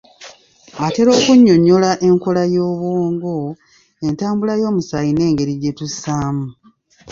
Atera okunnyonyola enkola y'obwongo, entambula y'omusaayi n'engeri gye tussaamu.